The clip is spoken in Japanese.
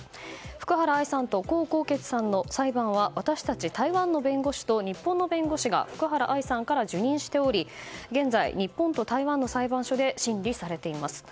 福原愛さんと江宏傑さんの裁判は私たち台湾の弁護士と日本の弁護士が福原愛さんから受任しており現在、日本と台湾の裁判所で審理されています。